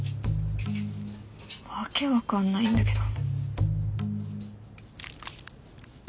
訳わかんないんだけど。